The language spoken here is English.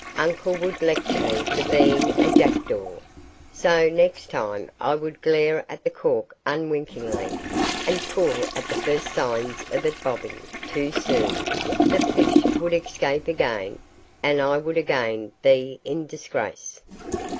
Uncle would lecture me for being a jackdaw, so next time I would glare at the cork unwinkingly, and pull at the first signs of it bobbing too soon! the fish would escape again, and I would again be in disgrace.